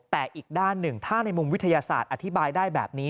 แต่อีกด้านหนึ่งถ้าในมุมวิทยาศาสตร์อธิบายได้แบบนี้